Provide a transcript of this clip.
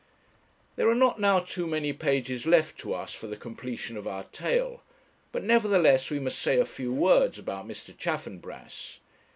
There are not now too many pages left to us for the completion of our tale; but, nevertheless, we must say a few words about Mr. Chaffanbrass.